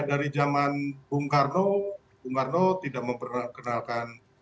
dari zaman bung karno bung karno tidak memperkenalkan